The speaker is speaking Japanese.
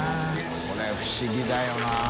これ不思議だよな。